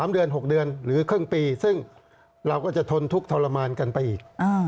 ๓เดือน๖เดือนหรือครึ่งปีซึ่งเราก็จะทนทุกข์ทรมานกันไปอีก